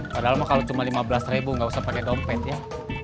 padahal mah kalau cuma lima belas ribu nggak usah pakai dompet ya